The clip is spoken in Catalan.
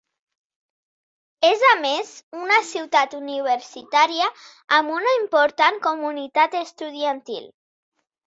És a més una ciutat universitària amb una important comunitat estudiantil.